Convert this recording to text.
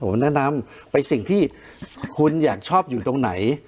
ผมแนะนำไปสิ่งที่คุณอยากชอบอยู่ตรงไหน